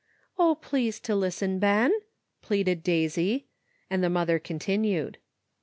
" 0, please to listen, Ben! " pleaded Daisy, and the mother continued.